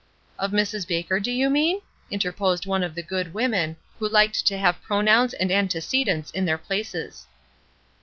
"Of Mrs. Baker, do you mean?" interposed one of the good women, who Hked to have pro nouns and antecedents in their places.